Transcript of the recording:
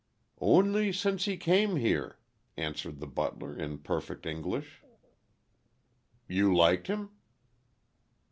"Only since he came here," answered the butler, in perfect English. "You liked him?"